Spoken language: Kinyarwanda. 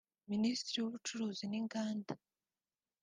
Minisitiri w’ubucuruzi n’inganda